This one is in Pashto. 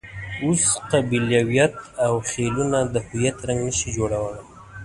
اوس قبیلویت او خېلونه د هویت رنګ نه شي جوړولای.